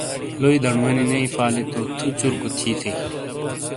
لوئی دنڈوں وانی نے ایفالی تو تھو چورکو تھی تھئیی۔